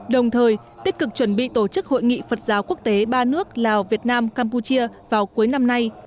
đồng thời tích cực chuẩn bị tổ chức hội nghị phật giáo quốc tế ba nước lào việt nam campuchia vào cuối năm nay